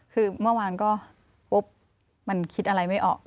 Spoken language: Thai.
คือเมื่อวานก็ปุ๊บมันคิดอะไรไม่ออก